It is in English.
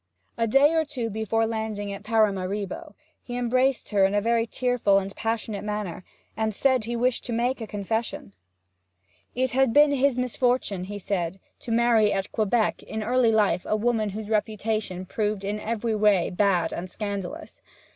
A day or two before landing at Paramaribo, he embraced her in a very tearful and passionate manner, and said he wished to make a confession. It had been his misfortune, he said, to marry at Quebec in early life a woman whose reputation proved to be in every way bad and scandalous.